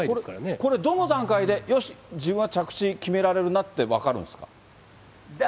これ、どの段階でよし、自分は着地決められるなって分かるんですか？